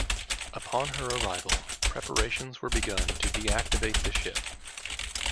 Upon her arrival preparations were begun to deactivate the ship.